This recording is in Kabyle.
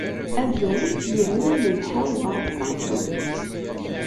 Adem yemlal d Ḥawwa, tameṭṭut-is.